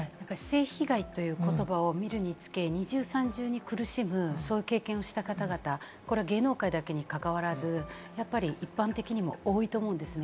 性被害という言葉を見るにつけ、二重、三重に苦しむ、そういう経験をした方々、芸能界だけに関わらず、一般的にも多いと思うんですね。